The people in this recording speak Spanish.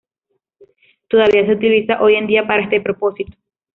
Todavía se utiliza hoy en día para este propósito.